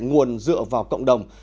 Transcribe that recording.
nguồn dựa vào cộng đồng